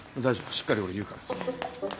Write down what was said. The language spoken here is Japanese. しっかり俺言うから次。